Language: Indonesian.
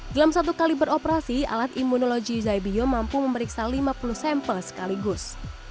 dalam satu kali beroperasi alat imunologi zybio mampu memeriksa lima puluh sampel sekaligus